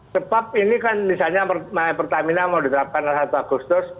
cepat ini kan misalnya pertamina mau dilakukan pada satu agustus